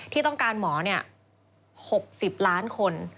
ที่ต้องการหมอ๖๐ล้านคน